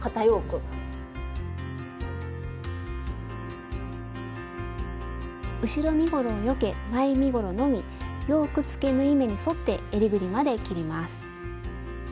スタジオ後ろ身ごろをよけ前身ごろのみヨークつけ縫い目に沿ってえりぐりまで切ります。